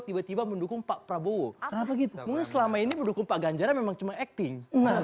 tiba tiba mendukung pak prabowo apa gitu selama ini berdukung pak ganjaran memang cuma acting